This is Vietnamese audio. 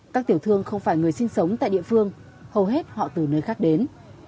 các tiểu thương không phải người sinh sống tại địa phương hầu hết họ từ nơi khác đến